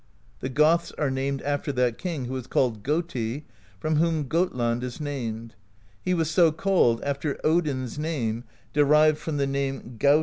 The Goths are named after that king who was called Goti, from whom Gotland is named: he was so called after Odin's name, derived from the name Gautr^ ^ See page 226.